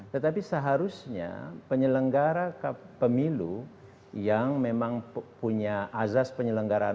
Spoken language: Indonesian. tetapi seharusnya penyelenggara pemilu yang memang punya azas penyelenggaraan